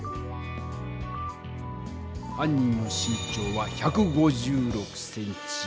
犯人の身長は１５６ｃｍ。